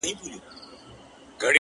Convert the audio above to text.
ستا د پرونۍ ورځې عادت بې هوښه سوی دی